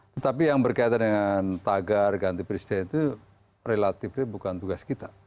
tetapi yang berkaitan dengan tagar ganti presiden itu relatif bukan tugas kita